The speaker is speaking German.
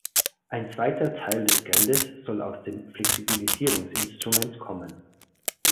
Ein zweiter Teil des Geldes soll aus dem Flexibilisierungsinstrument kommen.